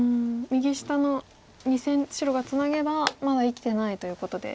右下の２線白がツナげばまだ生きてないということで。